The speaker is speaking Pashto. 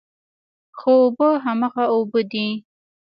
خو اوبه هماغه اوبه دي.